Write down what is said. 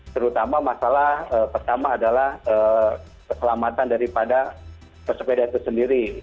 terutama masalah pertama adalah keselamatan daripada pesepeda itu sendiri